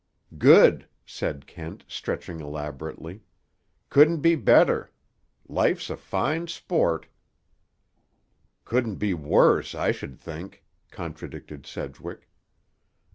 "Good!" said Kent, stretching elaborately. "Couldn't be better. Life's a fine sport!" "Couldn't be worse, I should think," contradicted Sedgwick.